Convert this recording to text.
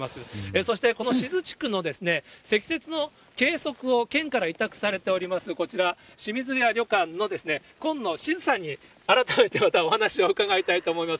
そして、この志津地区の積雪の計測を県から委託されております、こちら、清水屋旅館の今野志津さんに改めてまたお話を伺いたいと思います。